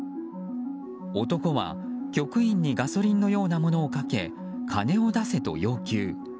男は局員にガソリンのようなものをかけ金を出せと要求。